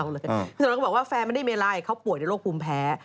พี่สมรักษณ์ก็บอกว่าแฟนมันไม่ได้มีอะไรเขาป่วยโรคภูมิแพ้